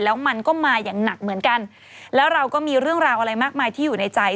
แล้วมันก็มาอย่างหนักเหมือนกันแล้วเราก็มีเรื่องราวอะไรมากมายที่อยู่ในใจ